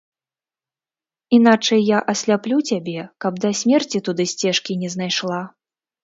Іначай я асляплю цябе, каб да смерці туды сцежкі не знайшла!